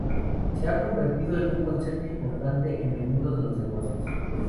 Se ha convertido en un concepto importante en el mundo de los negocios.